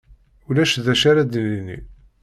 Ulac d acu ara d-nini.